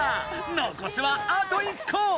残すはあと１こ！